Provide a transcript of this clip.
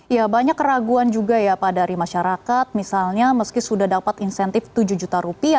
ya banyak keraguan juga ya pak dari masyarakat misalnya meski sudah dapat insentif rp tujuh juta rupiah